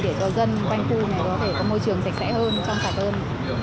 để cho dân quanh khu này có thể có môi trường sạch sẽ hơn trong cả đơn